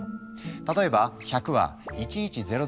例えば「１００」は「１１００１００」。